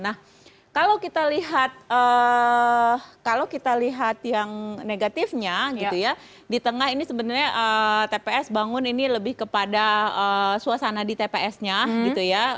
nah kalau kita lihat yang negatifnya gitu ya di tengah ini sebenarnya tps bangun ini lebih kepada suasana di tpsnya gitu ya